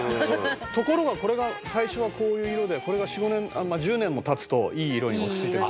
「ところがこれが最初はこういう色でこれが４５年１０年も経つといい色に落ち着いてくる」